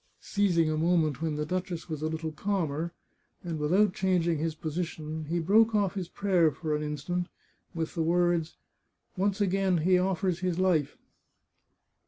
Seizing a moment when the duchess was a little calmer, and without changing his position, he broke oflf his prayer for an instant, with the words :" Once again he oflfers his life."